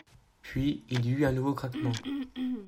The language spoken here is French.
Puis, il y eut un nouveau craquement.